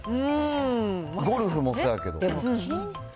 ゴルフもそうやけど。